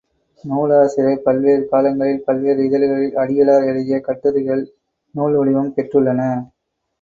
நூலாசிரியர் பல்வேறு காலங்களில் பல்வேறு இதழ்களில் அடிகளார் எழுதிய கட்டுரைகள் நூல்வடிவம் பெற்றுள்ளன.